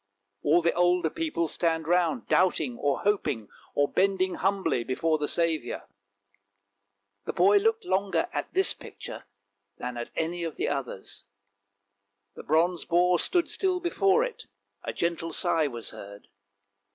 " All the older people stand round doubting, or hoping, or bending humbly before the Saviour. The boy looked longer at this picture than at any of the others ; the bronze boar stood still before it, a gentle sigh was heard.